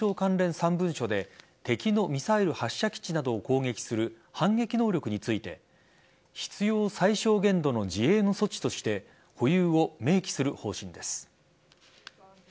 ３文書で敵のミサイル発射基地などを攻撃する反撃能力について必要最小限度の自衛の措置として保有を明記する方針です。